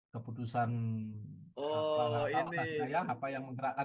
keputusan apa yang mengerakkan